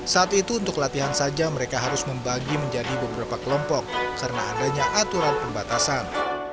saat itu untuk latihan saja mereka harus membagi menjadi beberapa kelompok karena adanya aturan pembatasan